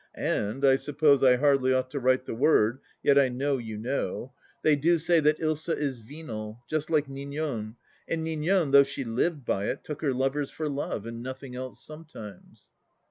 And — I suppose I hardly ought to write the word, yet I know you know — ^they do say that Ilsa is venal, just like Ninon, and Ninon, though she lived by it, took her lovers for love, and nothing else sometimes.